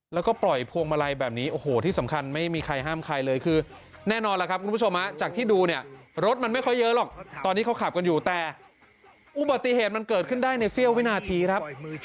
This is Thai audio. แล้วก็ปล่อยพวงมาลัยแบบนี้โอ้โหที่สำคัญไม่มีใครห้ามใครเลยคือแน่นอนล่ะครับคุณผู้ชมจากที่ดูเนี่ยรถมันไม่ค่อยเยอะหรอกตอนนี้เขาขับกันอยู่แต่อุบัติเหตุมันเกิดขึ้นได้ในเสี้ยววินาทีครับ